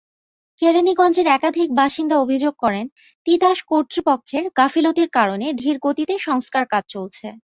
কেরানীগঞ্জের একাধিক বাসিন্দা অভিযোগ করেন, তিতাস কর্তৃপক্ষের গাফিলতির কারণে ধীরগতিতে সংস্কারকাজ চলছে।